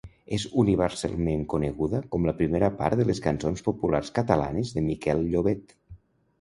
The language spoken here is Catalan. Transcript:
És universalment coneguda com la primera part de les Cançons Populars Catalanes de Miquel Llobet.